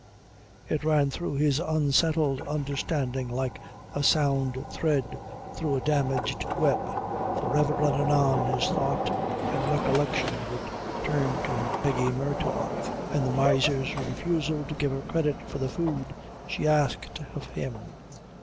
It ran through his unsettled understanding like a sound thread through a damaged web; for ever and anon his thought and recollection would turn to Peggy Murtagh, and the miser's refusal to give her credit for the food she asked of him.